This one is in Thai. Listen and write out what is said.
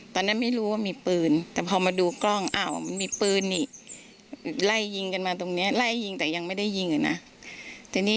ตอนนั้นไม่รู้ว่ามีปืนแต่พอมาดูกล้องอ้าวมันมีปืนนี่